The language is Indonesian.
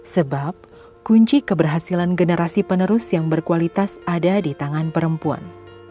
sebab kunci keberhasilan generasi penerus yang berkualitas ada di tangan perempuan